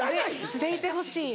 素でいてほしい。